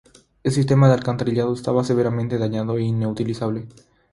El sistema de alcantarillado estaba "severamente dañado" e inutilizable.